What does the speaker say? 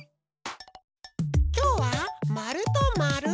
きょうはまるとまる。